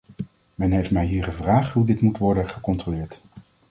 Men heeft mij hier gevraagd hoe dit moet worden gecontroleerd.